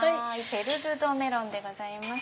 ペルル・ド・メロンでございます。